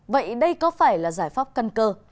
vậy đây có phải là giải pháp căn cơ